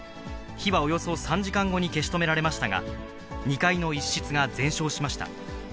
火はおよそ３時間後に消し止められましたが、２階の一室が全焼しました。